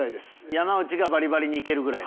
山内がバリバリに行けるぐらい。